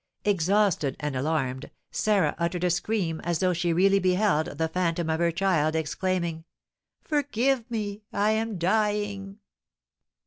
Exhausted and alarmed, Sarah uttered a scream, as though she really beheld the phantom of her child, exclaiming, "Forgive me! I am dying!"